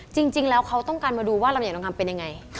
จริงแล้วเขาต้องการมาดูว่าลำใหญ่ลองทำเป็นยังไง